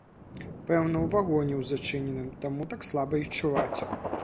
Пэўна, у вагоне ў зачыненым, таму так слаба й чуваць.